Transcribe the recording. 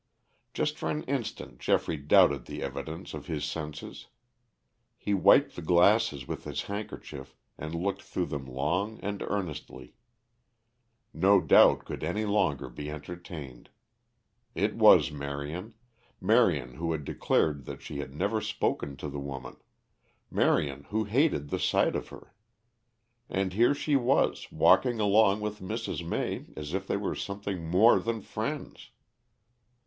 Just for an instant Geoffrey doubted the evidence of his senses. He wiped the glasses with his handkerchief and looked through them long and earnestly. No doubt could any longer be entertained. It was Marion Marion who had declared that she had never spoken to the woman Marion, who hated the sight of her. And here she was, walking along with Mrs. May as if they were something more than friends.